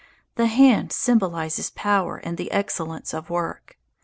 The hand symbolizes power and the excellence of work.